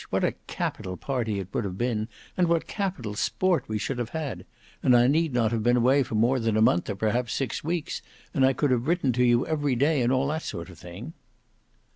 What a capital party it would have been, and what capital sport we should have had! And I need not have been away for more than a month or perhaps six weeks, and I could have written to you every day and all that sort of thing."